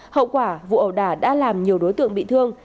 hậu quả vụ ẩu đả đã làm nhiều đối tượng bị thương